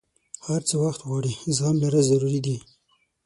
هر څه وخت غواړي، زغم لرل ضروري دي.